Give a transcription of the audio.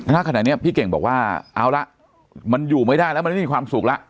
ณขณะนี้พี่เก่งบอกว่าเอาละมันอยู่ไม่ได้แล้วมันไม่มีความสุขแล้ว